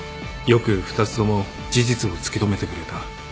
よく２つとも事実を突き止めてくれた。